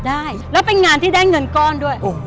ได้แล้วเป็นงานที่ได้เงินก้อนด้วย